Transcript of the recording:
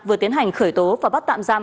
vừa tiến hành khởi tố và bắt tạm giam